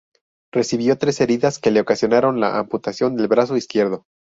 Recibió tres heridas que le ocasionaron la amputación del brazo izquierdo.